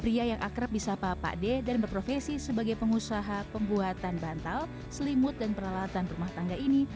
pria yang akrab di sapa pak d dan berprofesi sebagai pengusaha pembuatan bantal selimut dan peralatan rumah tangga ini